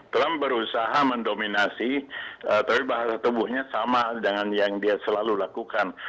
trump berusaha mendominasi tapi bahasa tubuhnya sama dengan yang dia selalu lakukan